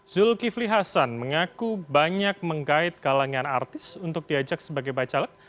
zulkifli hasan mengaku banyak menggait kalangan artis untuk diajak sebagai bacalek